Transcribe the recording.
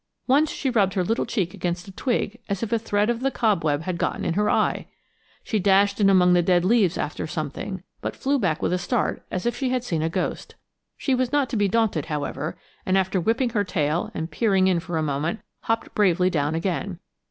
Once she rubbed her little cheek against a twig as if a thread of the cobweb had gotten in her eye. She dashed in among the dead leaves after something, but flew back with a start as if she had seen a ghost. She was not to be daunted, however, and after whipping her tail and peering in for a moment, hopped bravely down again.